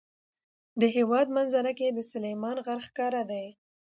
د هېواد منظره کې سلیمان غر ښکاره دی.